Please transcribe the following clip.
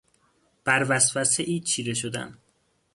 بر وسوسهای چیره شدن